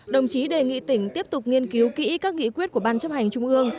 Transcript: đồng chí đề nghị tỉnh tiếp tục nghiên cứu kỹ các nghị quyết của ban chấp hành trung ương